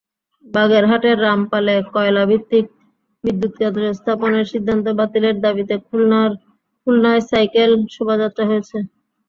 বাগেরহাটের রামপালে কয়লাভিত্তিক বিদ্যুৎকেন্দ্র স্থাপনের সিদ্ধান্ত বাতিলের দাবিতে খুলনায় সাইকেল শোভাযাত্রা হয়েছে।